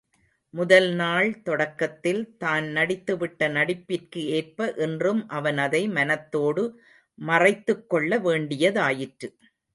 முதல் நாள் தொடக்கத்தில் தான் நடித்துவிட்ட நடிப்பிற்கு ஏற்ப, இன்றும் அவன் அதை மனத்தோடு மறைத்துக்கொள்ள வேண்டியதாயிற்று.